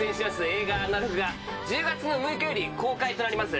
映画『アナログ』が１０月６日より公開となります。